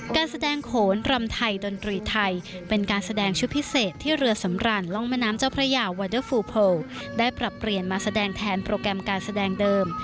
การแสดงโขนรำไทยดนตรีไทยเป็นการแสดงชุดพิเศษที่เรือสำรันร่องแม่น้ำเจ้าพระยาวอเดอร์ฟูโพลได้ปรับเปลี่ยนมาแสดงแทนโปรแกรมการแสดงเดิม